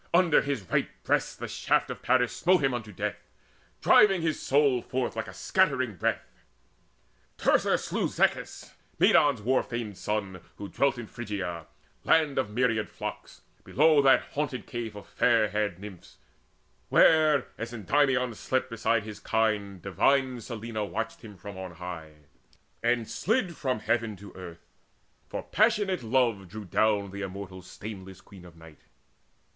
Under his right breast The shaft of Paris smote him unto death, Driving his soul forth like a scattering breath. Teucer slew Zechis, Medon's war famed son, Who dwelt in Phrygia, land of myriad flocks, Below that haunted cave of fair haired Nymphs Where, as Endymion slept beside his kine, Divine Selene watched him from on high, And slid from heaven to earth; for passionate love Drew down the immortal stainless Queen of Night.